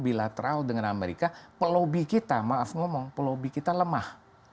bila terlalu dengan amerika pelobi kita lemah